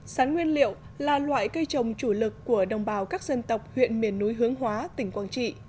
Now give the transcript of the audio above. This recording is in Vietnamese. sắn nguyên liệu là loại cây trồng chủ lực của đồng bào các dân tộc huyện miền núi hướng hóa tỉnh quảng trị